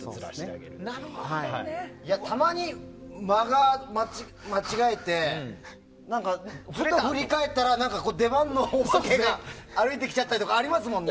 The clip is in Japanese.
たまに間を間違えて振り返ったら出番のお化けが歩いてきたりとかありますよね。